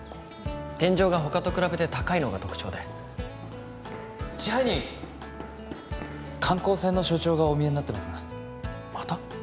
天井が他と比べて高いのが特徴で・支配人観光船の所長がお見えになってますがまた？